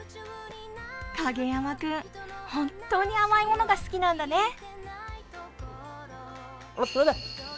影山君、本当に甘いものが好きなんだね。